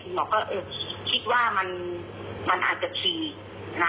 คุณหมอก็คิดว่ามันอาจจะทรีย์